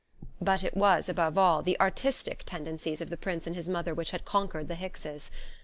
But it was, above all, the artistic tendencies of the Prince and his mother which had conquered the Hickses.